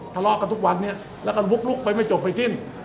ทะเลาะกันทุกวันนี้แล้วก็ลุกลุกไปไม่จบไม่สิ้น